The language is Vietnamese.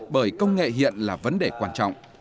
bởi công nghệ hiện là vấn đề quan trọng